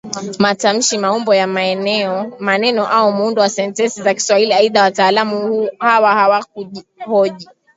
matamshi maumbo ya maneno au muundo wa sentensi za Kiswahili aidha wataalamu hawa hawakuhoji